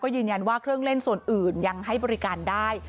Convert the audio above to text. ยืนยันว่าเครื่องเล่นส่วนอื่นยังให้บริการได้